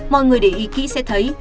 mọi người để ý kỹ sẽ thấy